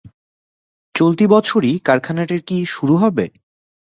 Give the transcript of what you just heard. চলতি বছরই কারখানাটির কি শুরু হবে?